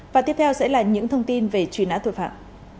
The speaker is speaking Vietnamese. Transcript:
và tiếp theo sẽ là những thông tin về truy nã tội phạm